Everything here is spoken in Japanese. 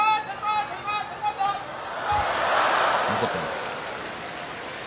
残っています。